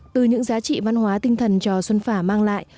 từ những giá trị văn hóa tinh thần cho xuân phả mang lại